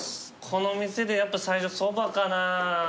この店でやっぱ最初そばかな。